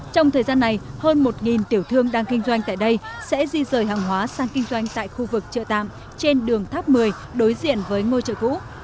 trong thời gian này hơn một tiểu thương đang kinh doanh tại đây sẽ di rời hàng hóa sang kinh doanh tại khu vực chợ tạm trên đường tháp một mươi đối diện với ngôi chợ cũ